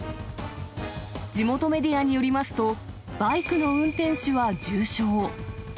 地元メディアによりますと、バイクの運転手は重傷。